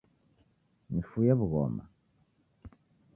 Nifuye wughoma